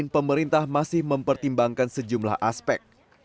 pemerintah masih mempertimbangkan sejumlah aspek